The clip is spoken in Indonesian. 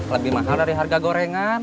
lebih mahal dari harga gorengan